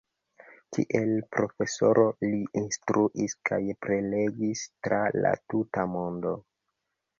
Kiel profesoro li instruis kaj prelegis tra la tuta mondo.